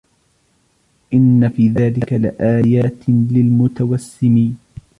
إِنَّ فِي ذَلِكَ لَآيَاتٍ لِلْمُتَوَسِّمِينَ